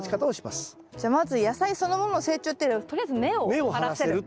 じゃあまず野菜そのものの成長というよりはとりあえず根を張らせる。